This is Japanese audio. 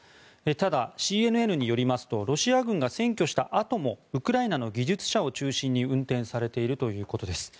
ただ、ＣＮＮによりますとロシア軍が占拠したあともウクライナの技術者を中心に運転されているということです。